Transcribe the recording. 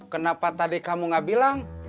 kenapa tadi kamu gak bilang